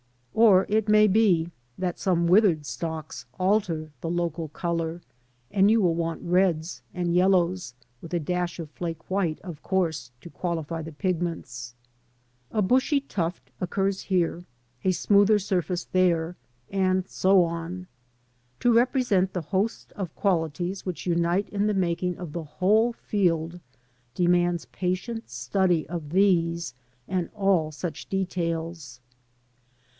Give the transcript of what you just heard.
Or it may be that some withered stalks alter the local colour, and you will want reds and yellows, with a dash of flake white, of course, to qualify the pigments. A bushy tuft occurs here, a smoother surface there, and so on. To represent the host of qualities which unite in the making of the whole field demands patient study of these and all such details.